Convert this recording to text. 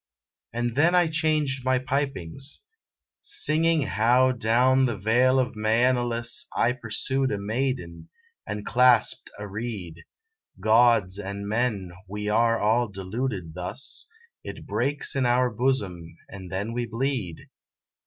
And then I changed my pipings Singing how down the vale of Maenalus I pursued a maiden, and clasped a reed : Gods and men, we are all deluded thus; It breaks in our bosom, and then we bleed.